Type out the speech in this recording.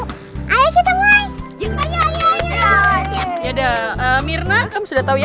tolong arahin jadi saudara ya